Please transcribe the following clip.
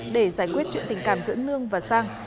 để giải quyết chuyện tình cảm giữa nương và sang